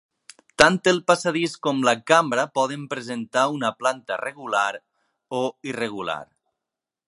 Tant el passadís com la cambra poden presentar una planta regular o irregular.